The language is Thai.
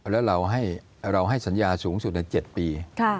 แล้วเราให้สัญญาสูงสุดใน๗ปี